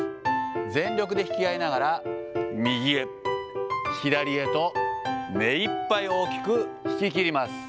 全力で引き合いながら、右へ、左へと目いっぱい大きく引ききります。